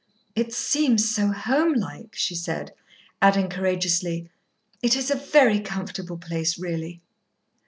"It seems so home like," she said; adding courageously, "it is a very comfortable place, really."